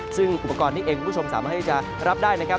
ซึ่งอุปกรณ์นี้เองคุณผู้ชมสามารถที่จะรับได้นะครับ